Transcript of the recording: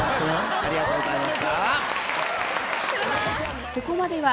ありがとうございます。